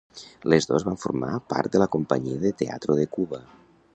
Les dos van formar part de la Compañía de Teatro de Cuba.